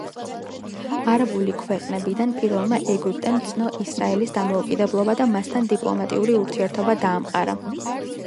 არაბული ქვეყნებიდან პირველმა ეგვიპტემ ცნო ისრაელის დამოუკიდებლობა და მასთან დიპლომატიური ურთიერთობა დაამყარა.